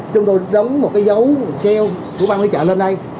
chúng tôi đóng một cái dấu keo của ban quản lý chợ lên đây